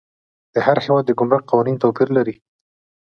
د هر هیواد د ګمرک قوانین توپیر لري.